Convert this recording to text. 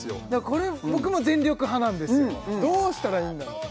これ僕も全力派なんですよどうしたらいいんだろう？